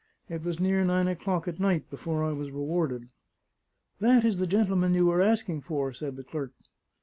It was near nine o'clock at night before I was rewarded. "That is the gentleman you were asking for," said the clerk.